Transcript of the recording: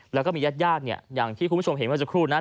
แล้วก็มียาดอย่างที่คุณผู้ชมเห็นว่าจะคลุมนะ